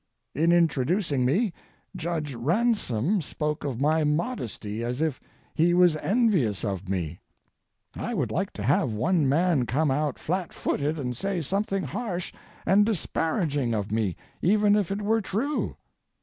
In introducing me, Judge Ransom spoke of my modesty as if he was envious of me. I would like to have one man come out flat footed and say something harsh and disparaging of me, even if it were true.